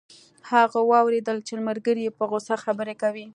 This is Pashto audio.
هغه واوریدل چې ملګری یې په غوسه خبرې کوي